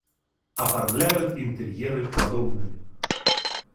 Оформляют интерьеры подобными.